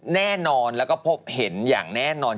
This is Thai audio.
แน่นอนแล้วก็พบเห็นอย่างแน่นอน